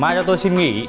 mày cho tôi xin nghỉ